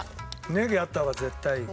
ネギあった方が絶対いい。